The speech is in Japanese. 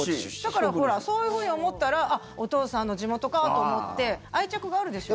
だから、ほらそういうふうに思ったらお父さんの地元かと思って愛着があるでしょ。